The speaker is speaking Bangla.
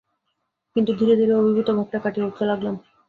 কিন্তু ধীরে ধীরে অভিভূত ভাবটা কাটিয়ে উঠতে লগলাম।